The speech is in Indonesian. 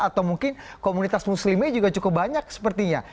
atau mungkin komunitas muslimnya juga cukup banyak sepertinya